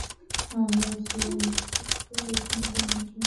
mavazi ya kujikinga mwili